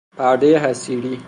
پردهٔ حصیری